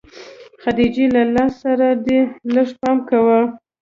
خديجې له لاس سره دې لږ پام کوه.